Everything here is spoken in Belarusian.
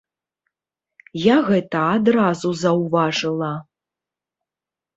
Я гэта адразу заўважыла.